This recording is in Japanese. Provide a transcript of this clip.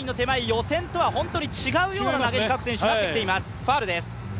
予選とは本当に違うような投げ方に各選手、なってきています。